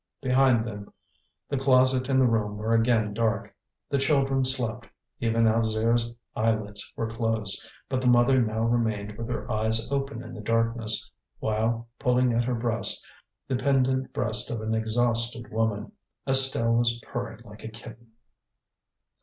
Behind them the closet and the room were again dark. The children slept; even Alzire's eyelids were closed; but the mother now remained with her eyes open in the darkness, while, pulling at her breast, the pendent breast of an exhausted woman, Estelle was purring like a kitten.